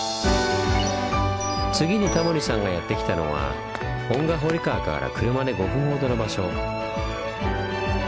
次にタモリさんがやって来たのは遠賀堀川から車で５分ほどの場所。